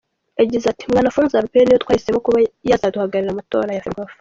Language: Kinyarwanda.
Yagize ati “Mwanafunzi Albert ni we twahisemo kuba yazaduhagararira mu matora ya Ferwafa.